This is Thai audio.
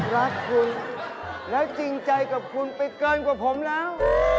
รักคุณและจริงใจกับคุณไปเกินกว่าผมแล้ว